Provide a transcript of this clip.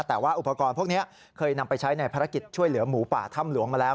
แต่ว่าอุปกรณ์พวกนี้เคยนำไปใช้ในภารกิจช่วยเหลือหมูป่าถ้ำหลวงมาแล้ว